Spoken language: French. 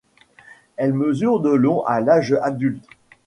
Elle mesure de long à l'âge adulte.